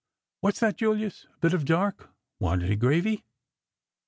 What's that, Julius? A bit of dark? Want any gravy?"